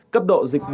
cấp độ dịch bốn